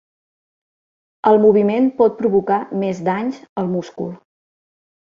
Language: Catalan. El moviment pot provocar més danys al múscul.